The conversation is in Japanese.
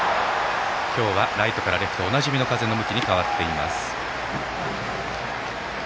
今日は、ライトからレフトおなじみの風の向きに変わっています。